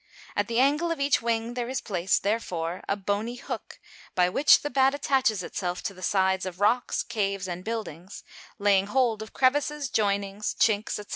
At the angle of each wing there is placed, therefore, a bony hook, by which the bat attaches itself to the sides of rocks, caves, and buildings, laying hold of crevices, joinings, chinks, &c.